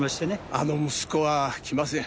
あの息子は来ません。